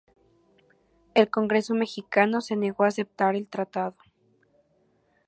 El Congreso Mexicano se negó a aceptar el tratado.